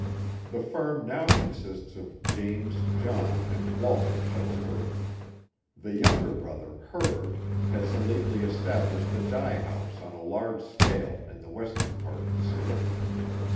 The firm now consists of James, John, and Walter Shuttleworth. The younger brother, Herbert, has lately established a dye house on a large scale in the western part of the city.